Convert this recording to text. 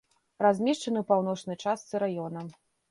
Размешчаны ў паўночнай частцы раёна.